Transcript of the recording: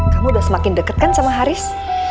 kamu udah semakin dekat kan sama haris